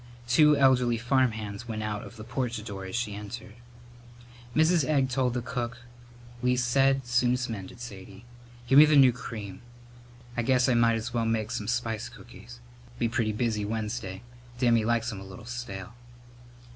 Two elderly farmhands went out of the porch door as she entered. Mrs. Egg told the cook: "Least said, soon'st mended, Sadie. Give me the new cream. I guess I might's well make some spice cookies. Be pretty busy Wednesday. Dammy likes 'em a little stale."